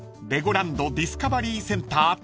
レゴランド・ディスカバリー・センター